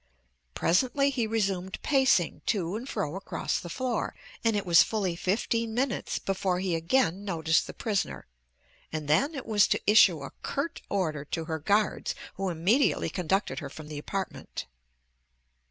Presently he resumed pacing to and fro across the floor, and it was fully fifteen minutes before he again noticed the prisoner, and then it was to issue a curt order to her guards, who immediately conducted her from the apartment.